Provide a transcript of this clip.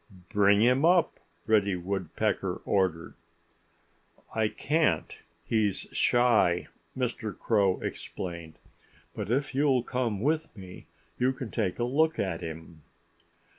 "Bring him up!" Reddy Woodpecker ordered. "I can't. He's shy," Mr. Crow explained. "But if you'll come with me you can take a look at him."